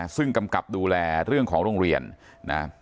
ซึ่งกำกับดูแลเรื่องของโรงเรียนนะ